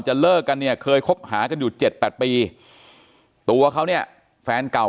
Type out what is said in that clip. เลิกกันเนี่ยเคยคบหากันอยู่๗๘ปีตัวเขาเนี่ยแฟนเก่า